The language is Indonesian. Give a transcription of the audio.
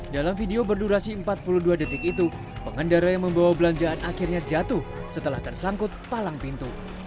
dalam video berdurasi empat puluh dua detik itu pengendara yang membawa belanjaan akhirnya jatuh setelah tersangkut palang pintu